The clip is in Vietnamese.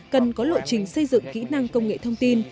cần có lộ trình xây dựng kỹ năng công nghệ thông tin